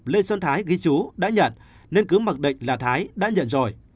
lê xuân thái ghi chú đã nhận nên cứ mặc định là thái đã nhận rồi